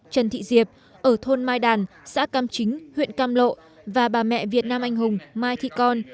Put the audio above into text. trần thị diệp ở thôn mai đàn xã cam chính huyện cam lộ và bà mẹ việt nam anh hùng mai thị con